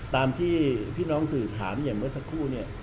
ตามที่พี่น้องสื่อถามอย่างเมื่อสักครู่เนี่ย